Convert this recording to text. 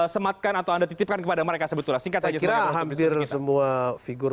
sematkan atau anda titipkan kepada mereka sebetulnya singkatnya hampir semua figur